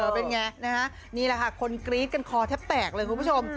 เป็นไงนะฮะนี่แหละค่ะคนกรี๊ดกันคอแทบแตกเลยคุณผู้ชม